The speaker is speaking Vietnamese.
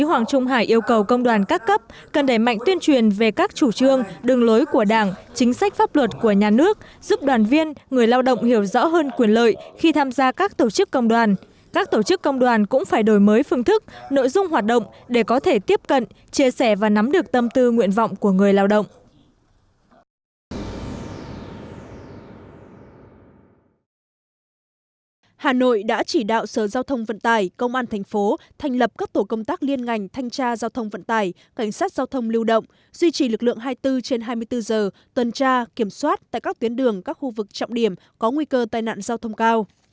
hà nội đã chỉ đạo sở giao thông vận tải công an thành phố thành lập các tổ công tác liên ngành thanh tra giao thông vận tải cảnh sát giao thông lưu động duy trì lực lượng hai mươi bốn trên hai mươi bốn giờ tuần tra kiểm soát tại các tuyến đường các khu vực trọng điểm có nguy cơ tai nạn giao thông cao